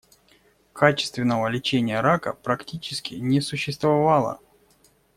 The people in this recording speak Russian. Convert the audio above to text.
Качественного лечения рака практически не существовало.